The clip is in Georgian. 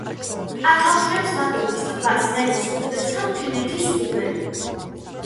აკავშირებს ლადოგის ტბას ნევის ყურესთან, ფინეთის ყურე.